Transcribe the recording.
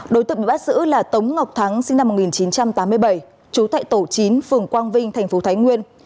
đối tượng bị bắt giữ là tống ngọc thắng sinh năm một nghìn chín trăm tám mươi bảy chú tại tổ chính phường quang vinh tp thái nguyên